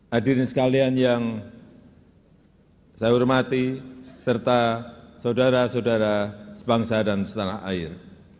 hadirin sekalian yang saya hormati serta saudara saudara sebangsa dan setanah air